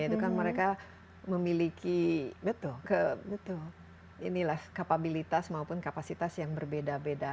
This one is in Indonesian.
itu kan mereka memiliki kapabilitas maupun kapasitas yang berbeda beda